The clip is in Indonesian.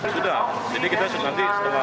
sudah jadi kita sudah nanti setengah